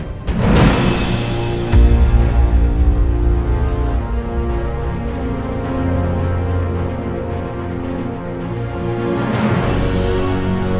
yang pertama dia modul